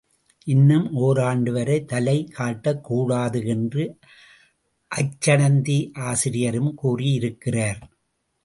இன்னும் ஓராண்டுவரை தலை காட்டக் கூடாது என்று அச்சணந்தி ஆசிரியரும் கூறி இருக்கிறார்.